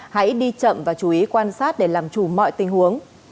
hãy đi chậm và chú ý quan sát để làm chủ mọi tình huống